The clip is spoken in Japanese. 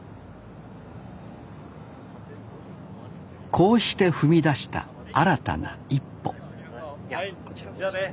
こうして踏み出した新たな一歩じゃあね。